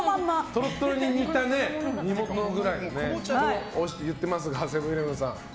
トロトロに煮た煮物だと言ってます。セブン‐イレブンさん。